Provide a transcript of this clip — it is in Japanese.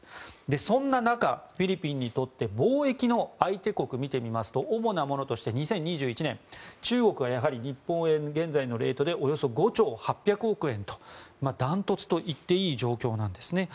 そんな中、フィリピンにとって貿易の相手国を見てみますと主なものとして２０２１年中国はやはり日本円、現在のレートでおよそ５兆８００億円と断トツと言っていい状況なんです。